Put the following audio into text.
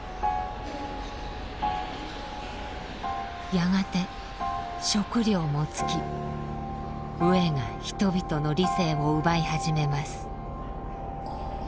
やがて食料も尽き飢えが人々の理性を奪い始めます。